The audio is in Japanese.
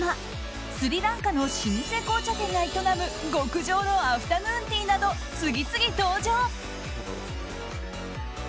スリランカの老舗紅茶店が営む極上のアフタヌーンティーなど次々、登場。